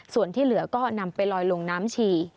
ส่วนที่เหลือก็นำไปลอยลงน้ำฉี่